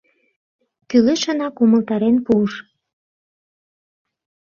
Кӱлешынак умылтарен пуыш.